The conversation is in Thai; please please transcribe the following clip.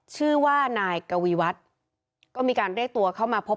ชื่อว่านายกวีวัฒน์ก็มีการเรียกตัวเข้ามาพบ